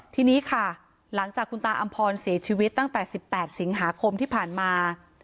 ทีนี้ค่ะหลังจากคุณตาอำพรเสียชีวิตตั้งแต่๑๘สิงหาคมที่ผ่านมา